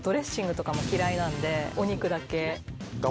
お肉だけ。